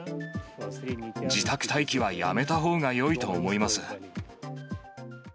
自宅待機はやめたほうがよいと思います。